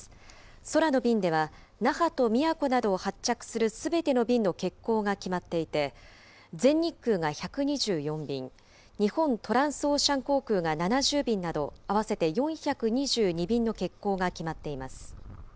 空の便では、那覇と宮古などを発着するすべての便の欠航が決まっていて、全日空が１２４便、日本トランスオーシャン航空が７０便など、合わせて４２２便の欠航が決まっています。